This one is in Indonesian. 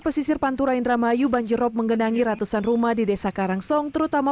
pesisir panturain ramayu banjirrop menggenangi ratusan rumah di desa karangsong terutama